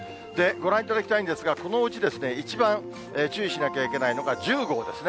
ご覧いただきたいんですが、このうち一番注意しなきゃいけないのが１０号ですね。